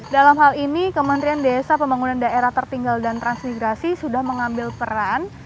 dalam hal ini kementerian desa pembangunan daerah tertinggal dan transmigrasi sudah mengambil peran